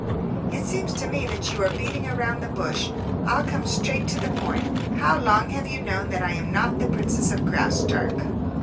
"It seems to me that you are beating around the bush. I'll come straight to the point. How long have you known that I am not the princess of Graustark?"